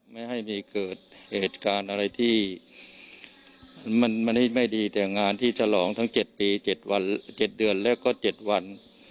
ไม่ให้มีเกิดเหตุการณ์อะไรที่มันมันให้ไม่ดีแต่งานที่สลองทั้งเจ็ดปีเจ็ดวันเจ็ดเดือนแล้วก็เจ็ดวัน